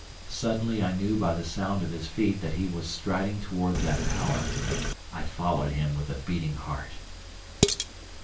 Suddenly I knew by the sound of his feet that he was striding towards that pallor. I followed him with a beating heart.